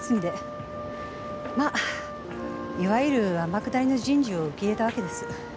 まあいわゆる天下りの人事を受け入れたわけです。